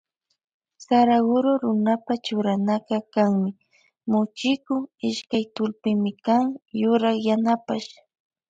Saraguro runapa churanaka kanmi muchiku ishkay tullpimikan yurak yanapash.